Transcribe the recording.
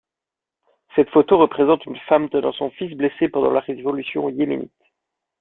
Cette photo représente une femme tenant son fils blessé pendant la révolution yéménite.